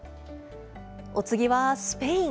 お次はスペイン。